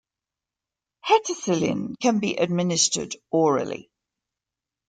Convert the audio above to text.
Hetacillin can be administered orally.